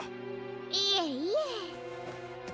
いえいえ。